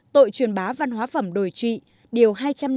tội truyền bá văn hóa phẩm đồi trị điều hai trăm năm mươi ba